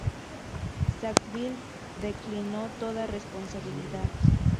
Sackville declinó toda responsabilidad.